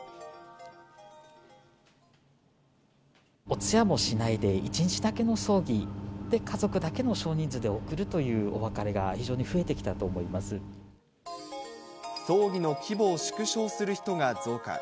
お通夜もしないで、１日だけの葬儀で家族だけの少人数で送るというお別れが非常に増葬儀の規模を縮小する人が増加。